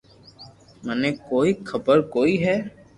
منو ڪوئي خبر ڪوئي ھي